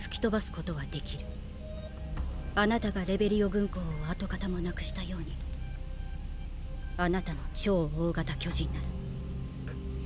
あなたがレベリオ軍港を跡形もなくしたようにあなたの「超大型巨人」なら。